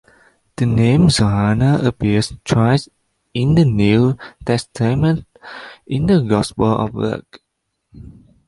The name Johanna appears twice in the New Testament in the Gospel of Luke.